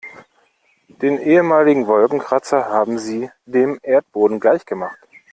Den ehemaligen Wolkenkratzer haben sie dem Erdboden gleichgemacht.